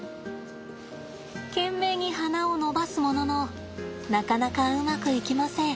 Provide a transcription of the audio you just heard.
懸命に鼻を伸ばすもののなかなかうまくいきません。